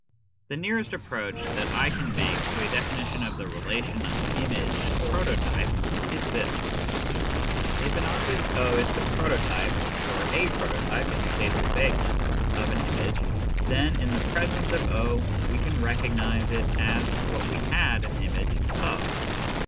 The nearest approach that I can make to a definition of the relation of image and prototype is this : If an object is the prototype (or a proto type, in the case of vagueness) of an image, then, in the presence of 0, we can recognise it as what we had an image " of."